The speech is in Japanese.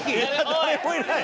誰もいない。